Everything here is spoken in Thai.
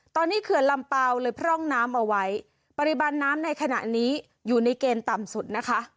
ตอนนี้เขื่อนลำเปล่าเลยพร่องน้ำเอาไว้ปริมาณน้ำในขณะนี้อยู่ในเกณฑ์ต่ำสุดนะคะ